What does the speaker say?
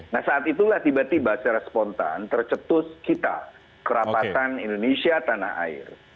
nah saat itulah tiba tiba secara spontan tercetus kita kerapatan indonesia tanah air